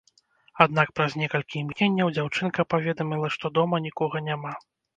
Аднак праз некалькі імгненняў дзяўчынка паведаміла, што дома нікога няма.